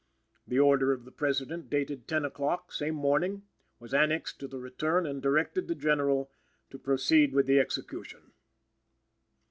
The order of the President dated ten o'clock, same morning, was annexed to the return and directed the General to proceed with the execution.